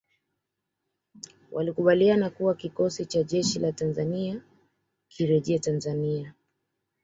Walikubaliana kuwa kikosi cha jeshi la Tanzania kirejee Tanzania